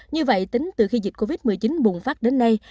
như vậy tính từ khi dịch covid một mươi chín bùng phát đến nay